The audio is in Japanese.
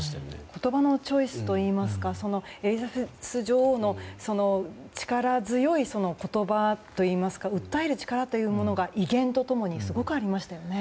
言葉のチョイスというかエリザベス女王の力強い言葉といいますか訴える力が威厳と共にすごくありましたよね。